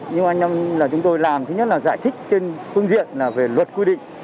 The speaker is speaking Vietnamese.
nhưng mà chúng tôi làm thứ nhất là giải trích trên phương diện là về luật quy định